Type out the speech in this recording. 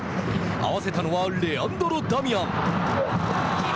決めたのはレアンドロ・ダミアン！